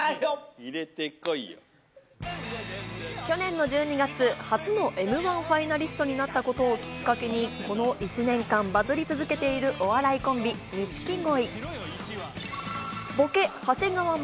去年の１２月、初のＭ−１ファイナリストになったことをきっかけにこの１年間バズり続けているお笑いコンビ・錦鯉。